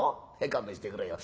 勘弁してくれよ。